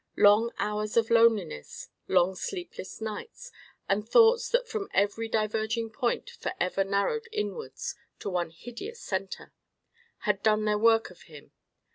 Long hours of loneliness, long sleepless nights, and thoughts that from every diverging point for ever narrowed inwards to one hideous centre, had done their work of him.